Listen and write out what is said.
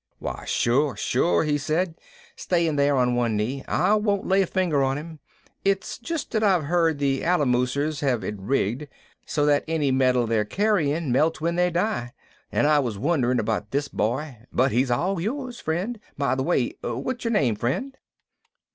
"Why sure, sure," he said, staying there on one knee. "I won't lay a finger on him. It's just that I've heard the Alamosers have it rigged so that any metal they're carrying melts when they die, and I was wondering about this boy. But he's all yours, friend. By the way, what's your name, friend?"